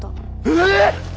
えっ！？